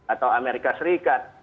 atau amerika serikat